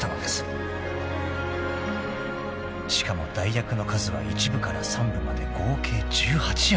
［しかも代役の数は一部から三部まで合計１８役］